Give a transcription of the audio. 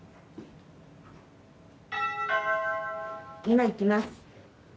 今行きます。